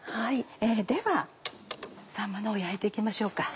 ではさんまのほう焼いて行きましょうか。